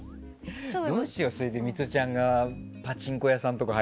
どうしよう、それでミトちゃんがパチンコ屋さんとか